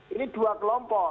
ini dua kelompok